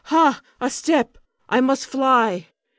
Ha, a step! I must fly.